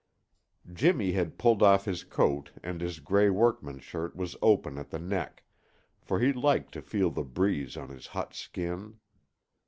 Jimmy had pulled off his coat and his gray workman's shirt was open at the neck, for he liked to feel the breeze on his hot skin.